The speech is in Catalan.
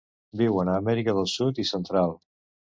Viuen a Amèrica del Sud i Central.